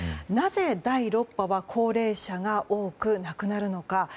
なぜ第６波は高齢者が多く亡くなっているのか。